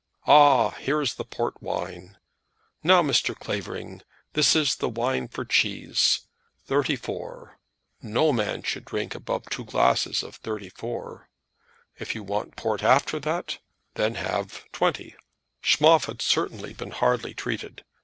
Ah, here is the port wine. Now, Mr. Clavering, this is the wine for cheese; '34. No man should drink above two glasses of '34. If you want port after that, then have '20." Schmoff had certainly been hardly treated.